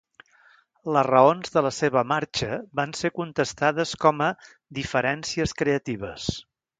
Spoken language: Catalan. Les raons de la seva marxa van ser contestades com a 'diferències creatives'.